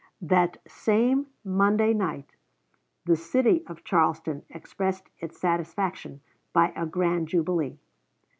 That same Monday night the city of Charleston expressed its satisfaction by a grand jubilee.